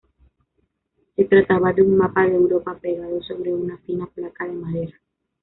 Se trataba de un mapa de Europa, pegado sobre una fina placa de madera.